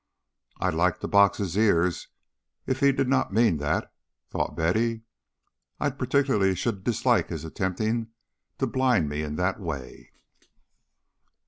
"I'd like to box his ears if he did not mean that," thought Betty. "I particularly should dislike his attempting to blind me in that way."